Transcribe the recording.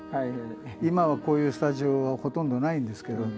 今はこういうスタジオはほとんどないんですけど。